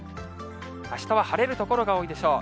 あしたは晴れる所が多いでしょう。